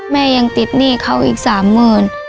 แม่ยังติดหนี้เขาอีกสามหมื่น